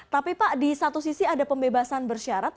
tapi pak di satu sisi ada pembebasan bersyarat